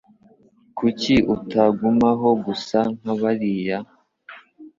Kuki utagumaho gusa nk'abariya?